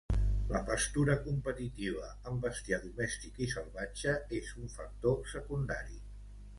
La pastura competitiva amb bestiar domèstic i salvatge és un factor secundari.